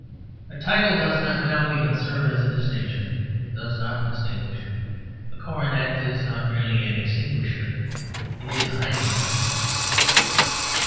A title does not now even serve as a distinction: it does not distinguish. A coronet is not merely an extinguisher: it is a hiding place.